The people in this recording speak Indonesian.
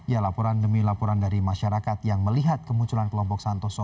ya laporan demi laporan dari masyarakat yang melihat kemunculan kelompok santoso